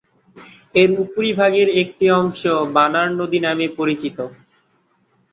এর উপরিভাগের একটি অংশ বানার নদী নামে পরিচিত।